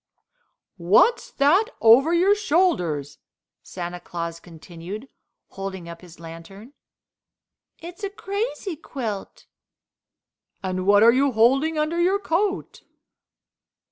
"What's that over your shoulders?" Santa Claus continued, holding up his lantern. "It's a crazy quilt." "And what are you holding under your coat?"